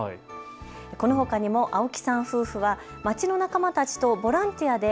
このほかにも青木さん夫婦は町の仲間たちとボランティアで